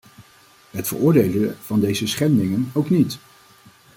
Het veroordelen van deze schendingen ook niet.